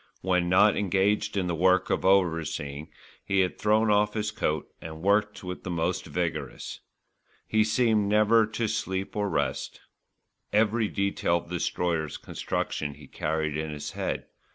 When not engaged in the work of overseeing, he had thrown off his coat and worked with the most vigorous. He seemed never to sleep or rest. Every detail of the Destroyer's construction he carried in his head.